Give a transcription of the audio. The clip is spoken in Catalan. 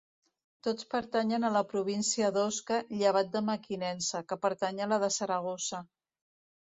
Tots pertanyen a la província d'Osca llevat de Mequinensa, que pertany a la de Saragossa.